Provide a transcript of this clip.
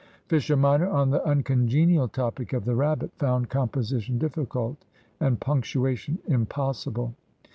Fisher minor, on the uncongenial topic of the rabbit, found composition difficult and punctuation impossible.